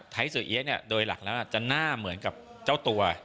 ไทยสวยเอี๊ยะเนี่ยโดยหลักแล้วจะหน้าเหมือนกับเจ้าตัว